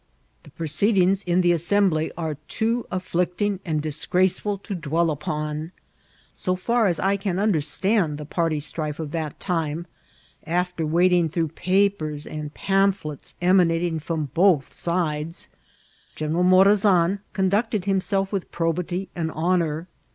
Hie proceedings in the Assembly are too afflict ing and disgraceful to dwell upon. So fer as I can un derstand the party strife of that time, after wading tiirongh papers and pamphlets emanating from both sides, Oeneral Morasan conducted himself with probi PURSUIT or CARKBKA* til ty and honour.